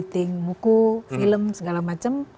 editing muku film segala macam